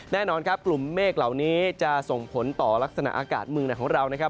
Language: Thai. แน่นอนครับกลุ่มเมฆเหล่านี้จะส่งผลต่อลักษณะอากาศเมืองไหนของเรานะครับ